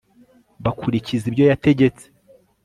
bakurikiza ibyo yategetse